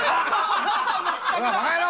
バカ野郎！